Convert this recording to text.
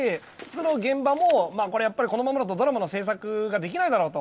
現場も、このままだとドラマの制作ができないだろうと。